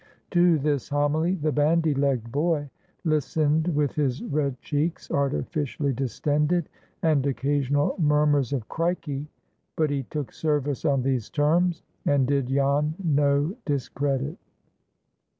To this homily the bandy legged boy listened with his red cheeks artificially distended, and occasional murmurs of "Crikey!" but he took service on these terms, and did Jan no discredit.